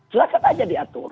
silahkan aja diatur